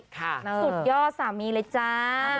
สุดยอดสามีเลยจ้า